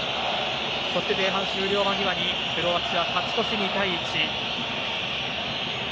そして前半終了間際にクロアチア勝ち越し２対１。